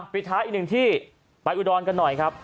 ปิดท้ายอีกหนึ่งที่ไปอุดรกันหน่อยครับ